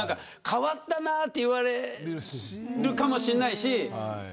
変わったなと言われるかもしれないし。